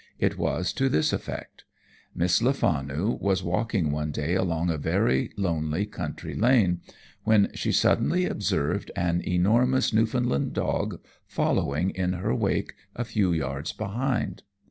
It was to this effect. Miss Lefanu was walking one day along a very lonely country lane, when she suddenly observed an enormous Newfoundland dog following in her wake a few yards behind.